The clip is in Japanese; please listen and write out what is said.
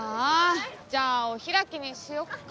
じゃあお開きにしよっか。